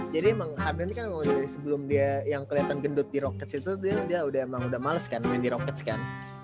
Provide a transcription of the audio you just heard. jadi emang harden kan emang dari sebelum dia yang keliatan gendut di rockets itu dia udah emang udah males kan main di rockets kan